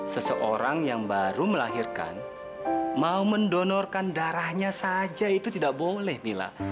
seseorang yang baru melahirkan mau mendonorkan darahnya saja itu tidak boleh mila